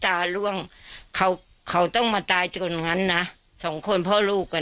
ตาล่วงเขาเขาต้องมาตายจนงั้นนะสองคนพ่อลูกกัน